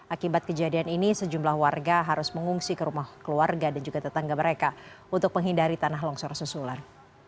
akibat kejadian ini sejumlah warga harus mengungsi ke rumah keluarga dan juga tetangga mereka untuk menghindari tanah longsor susulan